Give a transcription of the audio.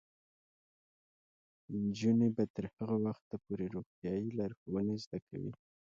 نجونې به تر هغه وخته پورې روغتیايي لارښوونې زده کوي.